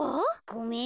ごめん。